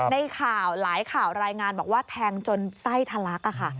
ในข่าวหลายข่าวรายงานบอกว่าแทงจนไส้ทะลักค่ะ